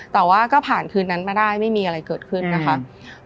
แต่ว่าก็ผ่านคืนนั้นมาได้ไม่มีอะไรเกิดขึ้นนะคะ